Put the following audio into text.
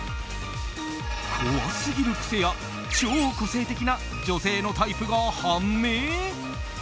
怖すぎる癖や超個性的な女性のタイプが判明？